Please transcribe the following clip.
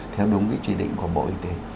theo đúng cái chỉ định của bộ y tế